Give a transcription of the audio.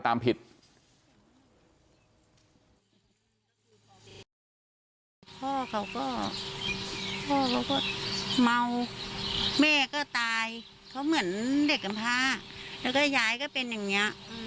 เหมาแม่ก็ตายเขาเหมือนเด็กประมาทแล้วก็ย้ายก็เป็นอย่างนี้